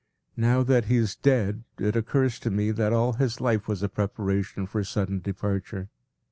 Now that he is dead it occurs to me that all his life was a preparation for sudden departure.